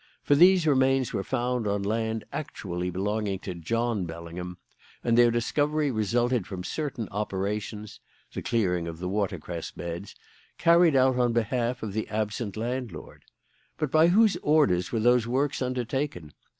For these remains were found on land actually belonging to John Bellingham, and their discovery resulted from certain operations (the clearing of the watercress beds) carried out on behalf of the absent landlord. But by whose orders were those works undertaken?